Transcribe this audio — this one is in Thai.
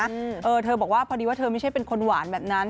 เออเธอบอกว่าพอดีว่าเธอไม่ใช่เป็นคนหวานแบบนั้น